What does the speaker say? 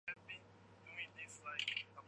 第二年全部成为北魏俘虏。